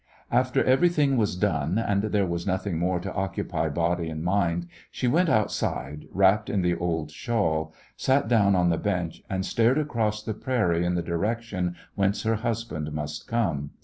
After everything was done and there was nothing more to occupy body and mind, she went outside, wrapped in the old shawl, sat down on the bench, and stared across the prairie in the direction whence her husband must come.